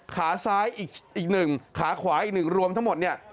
ขาซ้ายอีกหนึ่งขาขวาอีกหนึ่งรวมทั้งหมดเนี่ย